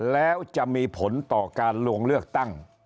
แล้วจะมีผลต่อการลงเลือกตั้ง